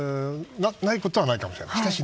ないことはないかもしれない。